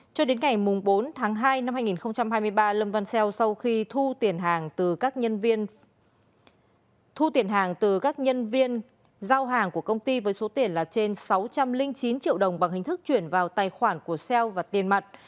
cho đến ngày bốn tháng hai năm hai nghìn hai mươi ba lâm văn xeo sau khi thu tiền hàng từ các nhân viên giao hàng của công ty với số tiền là trên sáu trăm linh chín triệu đồng bằng hình thức chuyển vào tài khoản của xeo và tiền mặt